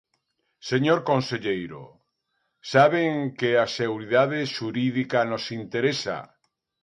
Señor conselleiro, saben que a seguridade xurídica nos interesa.